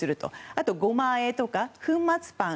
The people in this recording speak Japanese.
あと、ごまあえとか粉末パン。